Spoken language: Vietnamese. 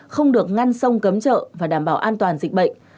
không được ngăn sông cấm chợ và đảm bảo an toàn dịch bệnh